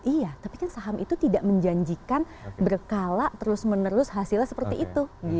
iya tapi kan saham itu tidak menjanjikan berkala terus menerus hasilnya seperti itu